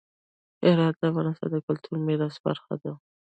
هرات د افغانستان د کلتوري میراث برخه ده.